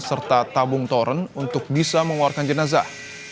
serta tabung toren untuk bisa mengeluarkan jenazah